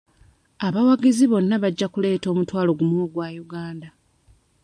Abawagizi bonna bajja kuleeta omutwalo gumu ogwa Uganda.